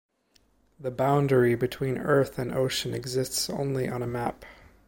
The boundary between earth and ocean exists only on a map.